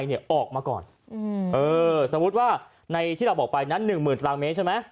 เออสมมติว่าในที่เราบอกไปนั้นหนึ่งหมื่นตลาดเมตรใช่ไหม